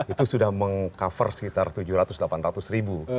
itu sudah meng cover sekitar tujuh ratus delapan ratus ribu